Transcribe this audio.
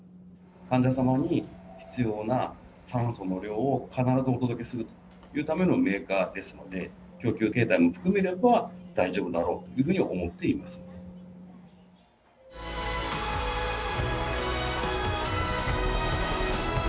患者様に必要な酸素の量を必ずお届けするというためのメーカーですので、供給形態も含めれば大丈夫だろうというふうに思っています。